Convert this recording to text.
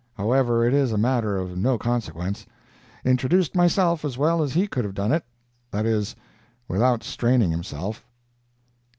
However, it is a matter of no consequence. Introduced myself as well as he could have done it—that is, without straining himself.